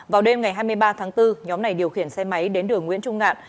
vào đêm ngày hai mươi ba tháng bốn nhóm này điều khiển xe máy đến đường nguyễn trung ngạn